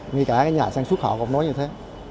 ngay cả nhà sản xuất họ cũng nói như thế